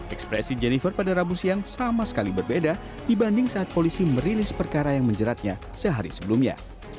ekspresi jennifer pada rabu siang sama sekali berbeda dibanding saat polisi merilis perkara yang menjeratnya sehari sebelumnya